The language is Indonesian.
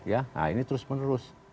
nah ini terus menerus